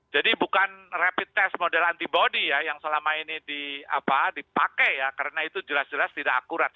jadi bukan rapid test model antibody ya yang selama ini dipakai ya karena itu jelas jelas tidak akurat